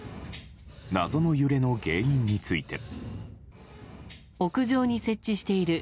謎の揺れの原因について。